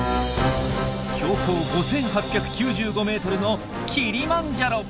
標高５，８９５ｍのキリマンジャロ！